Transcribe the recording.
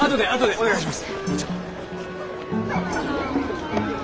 お願いします。